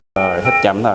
rồi hết chậm rồi